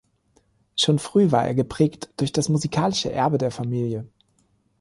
Schon früh war er geprägt durch das musikalische Erbe der Familie.